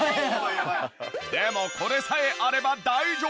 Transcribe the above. でもこれさえあれば大丈夫！